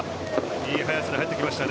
いい速さで入ってきましたね。